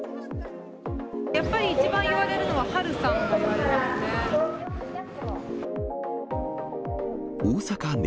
やっぱり一番言われるのは、波瑠さんって言われますね。